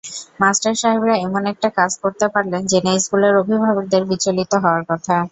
Master সাহেবরা এমন একটা কাজ করতে পারলেন জেনে স্কুলের অভিভাবকদের বিচলিত হওয়ার কথা।